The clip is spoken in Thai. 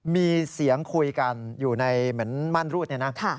มีเสียงคุยกันอยู่ในเหมือนมั่นรูดเนี่ยนะ